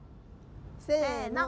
せの！